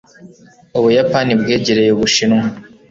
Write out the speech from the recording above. ubuyapani bwegereye ubushinwa